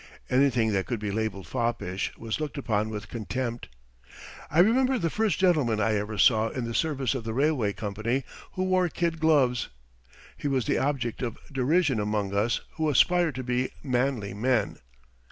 Anything that could be labeled foppish was looked upon with contempt. I remember the first gentleman I ever saw in the service of the railway company who wore kid gloves. He was the object of derision among us who aspired to be manly men.